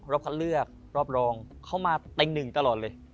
รอบเข้าเลือกรอบรองเขามาเต็ง๑ตลอดเลย